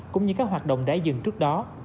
cũng như các hoạt động đã dừng trước đó